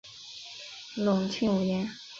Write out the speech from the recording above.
隆庆五年。